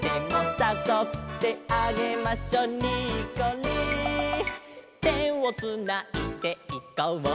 「さそってあげましょニッコリ」「手をつないでいこう」